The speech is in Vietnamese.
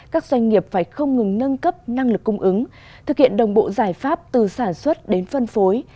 các doanh nghiệp phải không ngừng nâng cấp năng lực cung ứng thực hiện đồng bộ giải pháp từ sản xuất đến phân phối